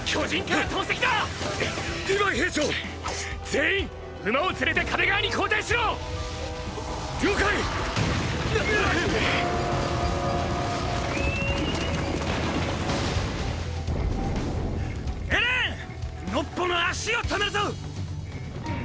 ノッポの足を止めるぞ！！